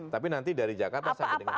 tapi nanti dari jakarta sampai dengan